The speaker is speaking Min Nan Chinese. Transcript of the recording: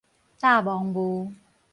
罩雺霧